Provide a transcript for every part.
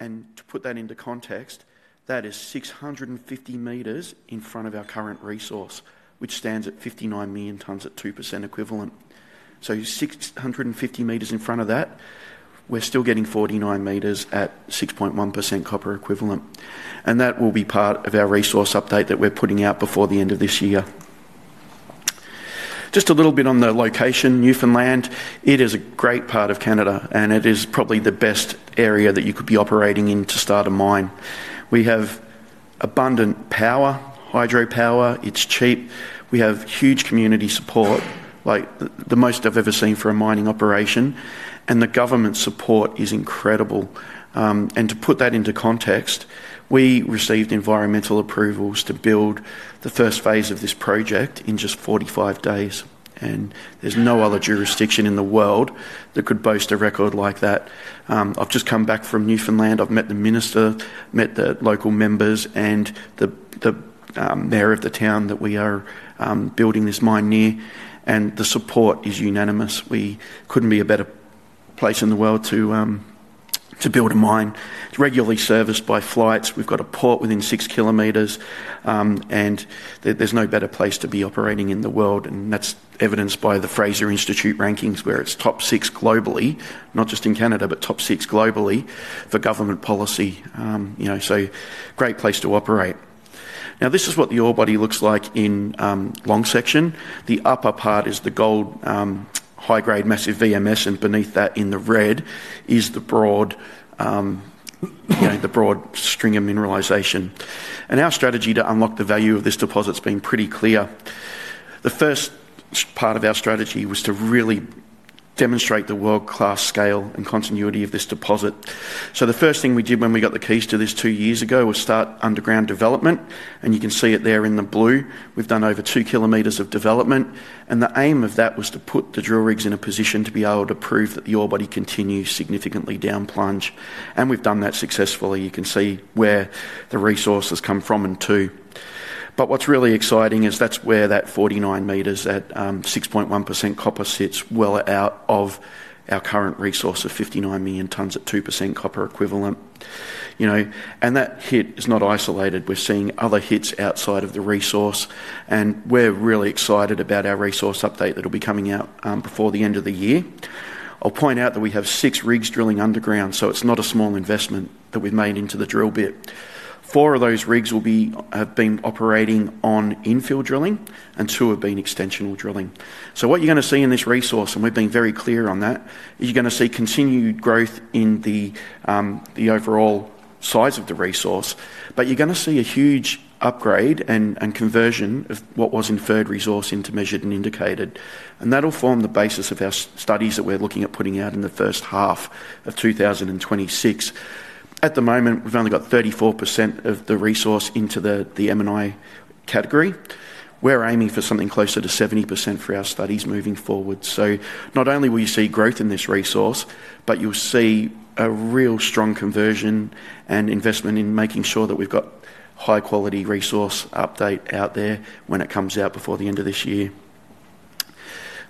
To put that into context, that is 650 m in front of our current resource, which stands at 59 million tonnes at 2% equivalent. Six hundred fifty metres in front of that, we're still getting 49 m at 6.1% copper equivalent. That will be part of our resource update that we're putting out before the end of this year. A little bit on the location: Newfoundland, it is a great part of Canada, and it is probably the best area that you could be operating in to start a mine. We have abundant power, hydropower; it's cheap. We have huge community support, like the most I've ever seen for a mining operation. The government support is incredible. To put that into context, we received environmental approvals to build the first phase of this project in just 45 days. There is no other jurisdiction in the world that could boast a record like that. I have just come back from Newfoundland. I have met the minister, met the local members, and the mayor of the town that we are building this mine near. The support is unanimous. We could not be in a better place in the world to build a mine. It is regularly serviced by flights. We have a port within 6 km. There is no better place to be operating in the world. That is evidenced by the Fraser Institute rankings, where it is top six globally, not just in Canada, but top six globally for government policy. Great place to operate. Now, this is what the ore body looks like in long section. The upper part is the gold high-grade massive VMS, and beneath that, in the red, is the broad string of mineralisation. Our strategy to unlock the value of this deposit has been pretty clear. The first part of our strategy was to really demonstrate the world-class scale and continuity of this deposit. The first thing we did when we got the keys to this two years ago was start underground development. You can see it there in the blue. We have done over 2 km of development. The aim of that was to put the drill rigs in a position to be able to prove that the ore body continues significantly down plunge. We have done that successfully. You can see where the resource has come from and to. What is really exciting is that is where that 49 m at 6.1% copper sits well out of our current resource of 59 million tonnes at 2% copper equivalent. That hit is not isolated. We're seeing other hits outside of the resource. We're really excited about our resource update that'll be coming out before the end of the year. I'll point out that we have six rigs drilling underground, so it's not a small investment that we've made into the drill bit. Four of those rigs have been operating on infill drilling, and two have been extensional drilling. What you're going to see in this resource, and we've been very clear on that, is you're going to see continued growth in the overall size of the resource. You're going to see a huge upgrade and conversion of what was inferred resource into measured and indicated. That'll form the basis of our studies that we're looking at putting out in the first half of 2026. At the moment, we've only got 34% of the resource into the M&I category. We're aiming for something closer to 70% for our studies moving forward. Not only will you see growth in this resource, but you'll see a real strong conversion and investment in making sure that we've got high-quality resource update out there when it comes out before the end of this year.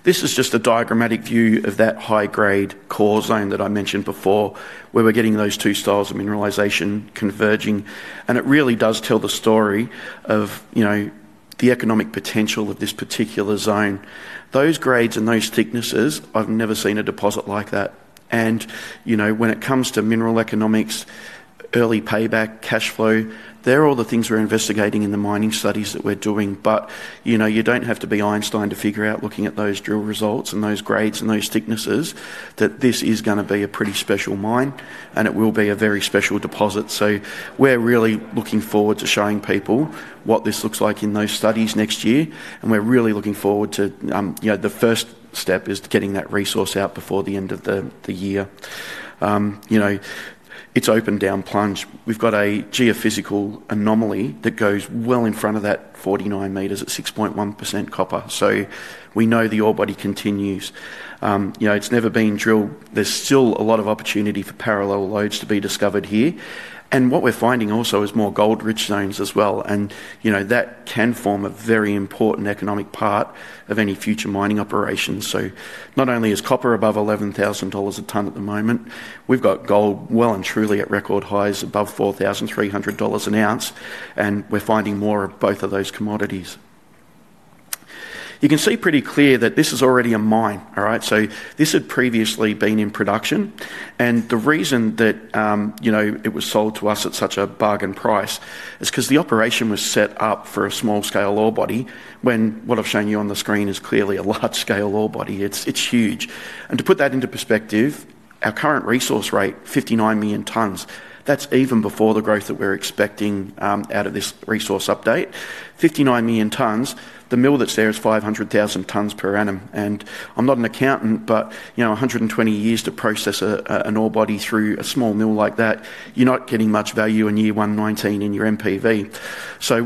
This is just a diagrammatic view of that high-grade core zone that I mentioned before, where we're getting those two styles of mineralisation converging. It really does tell the story of the economic potential of this particular zone. Those grades and those thicknesses, I've never seen a deposit like that. When it comes to mineral economics, early payback, cash flow, they're all the things we're investigating in the mining studies that we're doing. You do not have to be Einstein to figure out, looking at those drill results and those grades and those thicknesses, that this is going to be a pretty special mine, and it will be a very special deposit. We are really looking forward to showing people what this looks like in those studies next year. We are really looking forward to the first step, which is getting that resource out before the end of the year. It is open down plunge. We have got a geophysical anomaly that goes well in front of that 49 m at 6.1% copper. We know the ore body continues. It has never been drilled. There is still a lot of opportunity for parallel loads to be discovered here. What we are finding also is more gold-rich zones as well. That can form a very important economic part of any future mining operations. Not only is copper above $11,000 a tonne at the moment, we have gold well and truly at record highs above $4,300 an ounce. We are finding more of both of those commodities. You can see pretty clear that this is already a mine, right? This had previously been in production. The reason that it was sold to us at such a bargain price is because the operation was set up for a small-scale ore body when what I have shown you on the screen is clearly a large-scale ore body. It is huge. To put that into perspective, our current resource rate, 59 million tonnes, that is even before the growth that we are expecting out of this resource update. Fifty-nine million tonnes, the mill that is there is 500,000 tonnes per annum. I'm not an accountant, but 120 years to process an ore body through a small mill like that, you're not getting much value in year 119 in your MPV.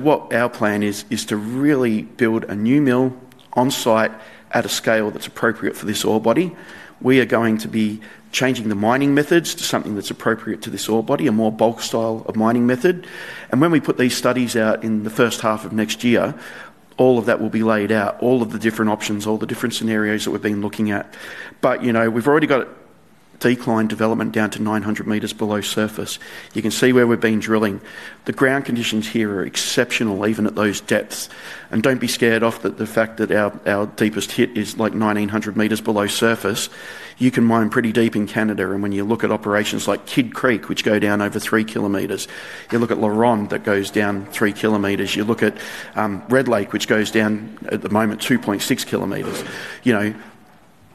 What our plan is, is to really build a new mill on site at a scale that's appropriate for this ore body. We are going to be changing the mining methods to something that's appropriate to this ore body, a more bulk style of mining method. When we put these studies out in the first half of next year, all of that will be laid out, all of the different options, all the different scenarios that we've been looking at. We've already got decline development down to 900 m below surface. You can see where we've been drilling. The ground conditions here are exceptional, even at those depths. Don't be scared off that the fact that our deepest hit is like 1,900 m below surface. You can mine pretty deep in Canada. When you look at operations like Kidd Creek, which go down over 3 km, you look at La Ronde that goes down 3 km, you look at Red Lake, which goes down at the moment 2.6 km.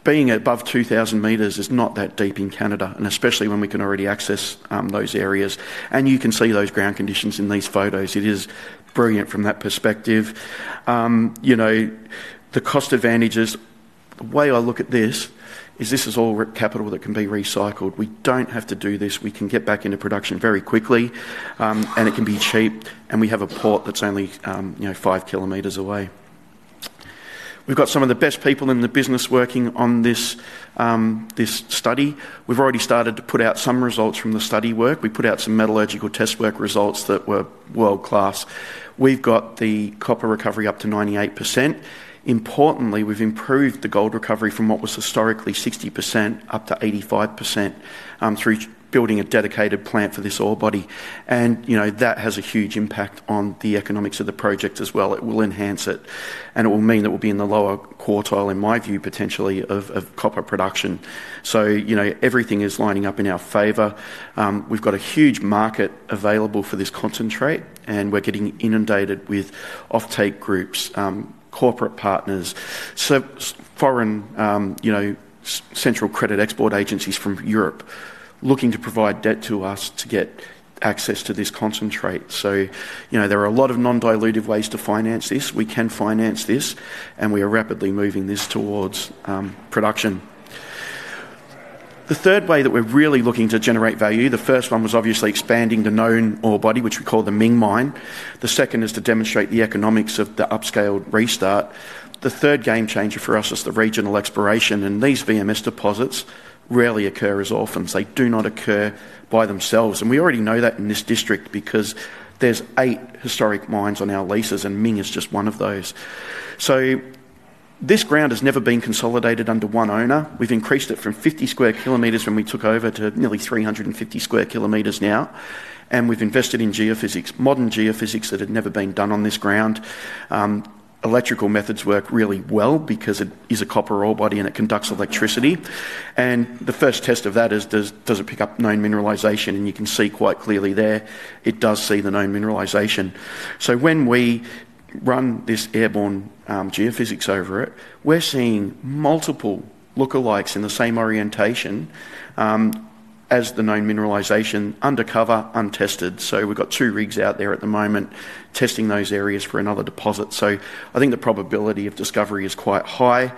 Being above 2,000 m is not that deep in Canada, and especially when we can already access those areas. You can see those ground conditions in these photos. It is brilliant from that perspective. The cost advantages, the way I look at this is this is all capital that can be recycled. We don't have to do this. We can get back into production very quickly, and it can be cheap, and we have a port that's only 5 km away. We've got some of the best people in the business working on this study. We've already started to put out some results from the study work. We put out some metallurgical test work results that were world-class. We've got the copper recovery up to 98%. Importantly, we've improved the gold recovery from what was historically 60% up to 85% through building a dedicated plant for this ore body. That has a huge impact on the economics of the project as well. It will enhance it. It will mean that we'll be in the lower quartile, in my view, potentially, of copper production. Everything is lining up in our favor. We've got a huge market available for this concentrate, and we're getting inundated with offtake groups, corporate partners, foreign central credit export agencies from Europe looking to provide debt to us to get access to this concentrate. There are a lot of non-dilutive ways to finance this. We can finance this, and we are rapidly moving this towards production. The third way that we're really looking to generate value, the first one was obviously expanding the known ore body, which we call the Ming Mine. The second is to demonstrate the economics of the upscaled restart. The third game changer for us is the regional exploration. These VMS deposits rarely occur as orphans. They do not occur by themselves. We already know that in this district because there are eight historic mines on our leases, and Ming is just one of those. This ground has never been consolidated under one owner. We have increased it from 50 sq km when we took over to nearly 350 sq km now. We have invested in geophysics, modern geophysics that had never been done on this ground. Electrical methods work really well because it is a copper ore body and it conducts electricity. The first test of that is, does it pick up known mineralisation? You can see quite clearly there, it does see the known mineralisation. When we run this airborne geophysics over it, we're seeing multiple lookalikes in the same orientation as the known mineralisation, undercover, untested. We've got two rigs out there at the moment testing those areas for another deposit. I think the probability of discovery is quite high.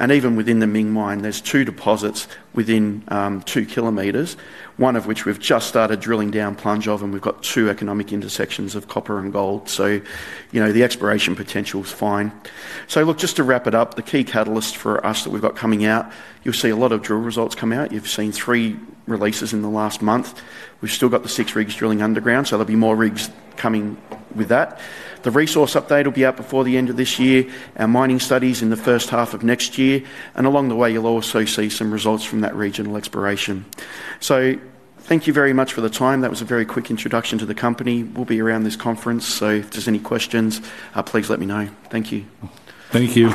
Even within the Ming Mine, there's two deposits within 2 km, one of which we've just started drilling down plunge of, and we've got two economic intersections of copper and gold. The exploration potential is fine. Look, just to wrap it up, the key catalyst for us that we've got coming out, you'll see a lot of drill results come out. You've seen three releases in the last month. We've still got the six rigs drilling underground, so there'll be more rigs coming with that. The resource update will be out before the end of this year, our mining studies in the first half of next year. Along the way, you'll also see some results from that regional exploration. Thank you very much for the time. That was a very quick introduction to the company. We'll be around this conference. If there's any questions, please let me know. Thank you. Thank you.